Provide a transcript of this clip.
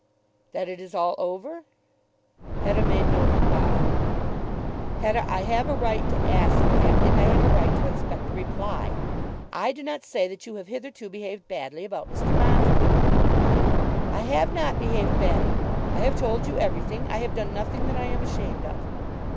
"That it is all over?" Hetta made no reply. "Hetta, I have a right to ask that, and I have a right to expect a reply. I do not say that you have hitherto behaved badly about Mr. Montague." "I have not behaved badly. I have told you everything. I have done nothing that I am ashamed of."